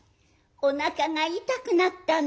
おなかが痛くなったんです」。